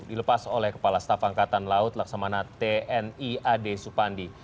dilepas oleh kepala staf angkatan laut laksamana tni ade supandi